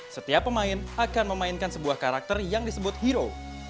setiap pemain akan memainkan sebuah karakter yang disebut hero